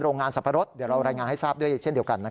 โรงงานสับปะรดเดี๋ยวเรารายงานให้ทราบด้วยเช่นเดียวกัน